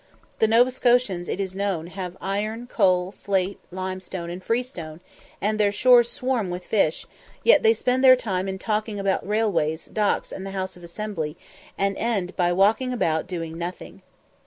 The Nova Scotians, it is known, have iron, coal, slate, limestone, and freestone, and their shores swarm with fish, yet they spend their time in talking about railways, docks, and the House of Assembly, and end by walking about doing nothing."